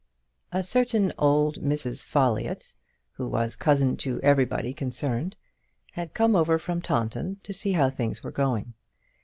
A certain old Mrs. Folliott, who was cousin to everybody concerned, had come over from Taunton to see how things were going.